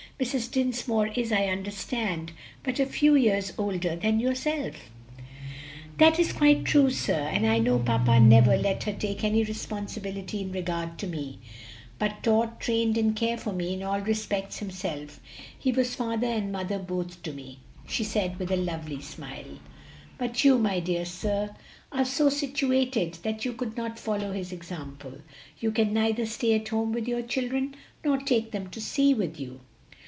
Mrs. Dinsmore is, I understand, but a few years older than yourself." "That is quite true, sir; and I know papa never let her take any responsibility in regard to me, but taught, trained, and cared for me in all respects himself; he was father and mother both to me," she said with a lovely smile; "but you, my dear sir, are so situated that you could not follow his example; you can neither stay at home with your children nor take them to sea with you."